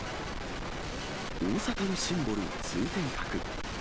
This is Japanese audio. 大阪のシンボル、通天閣。